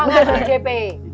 semangat pak jp